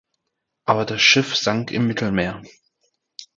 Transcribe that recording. Aber das Schiff sank im Mittelmeer.